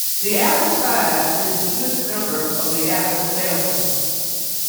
The Atlas Five is the newest member of the Atlas family.